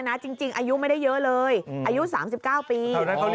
คุณป้าเจ็บไม่ได้เยอะเลยอายุ๓๙ปี